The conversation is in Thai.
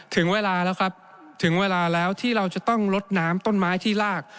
ถึงเวลาแล้วครับถึงเวลาแล้วที่เราจะต้องลดน้ำต้นไม้ที่ลาก